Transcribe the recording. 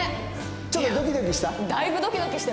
ちょっとドキドキした？